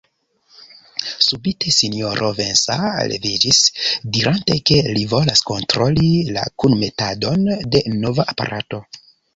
Subite sinjoro Vincent leviĝis, dirante, ke li volas kontroli la kunmetadon de nova aparato.